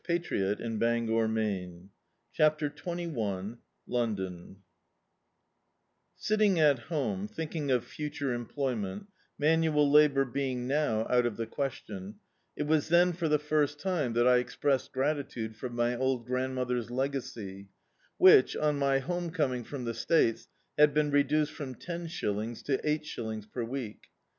D,i.,.db, Google CHAPTER XXI SITTING at home, thinking of future employ ment, manual labour being now out of the question, it was then for the first time that I expressed gratitude for my old grandmother's legacy, which, on my homt onning from the States bad been reduced from ten shillings to eight shillings per week.